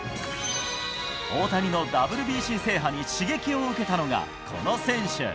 大谷のＷＢＣ制覇に刺激を受けたのが、この選手。